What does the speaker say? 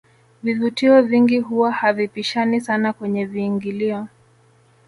vivutio vingi huwa havipishani sana kwenye viingilio